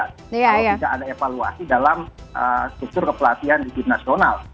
kalau tidak ada evaluasi dalam struktur kepelatihan di gimnasional